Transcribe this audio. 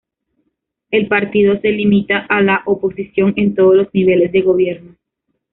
El partido se limita a la oposición en todos los niveles de gobierno.